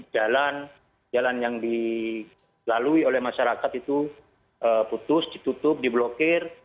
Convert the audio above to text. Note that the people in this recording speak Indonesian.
jadi jalan yang dilalui oleh masyarakat itu putus ditutup diblokir